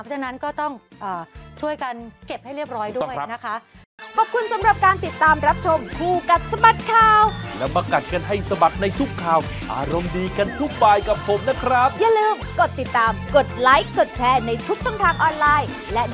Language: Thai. ฉะนั้นก็ต้องช่วยกันเก็บให้เรียบร้อยด้วยนะคะ